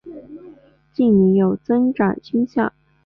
近年有增长倾向。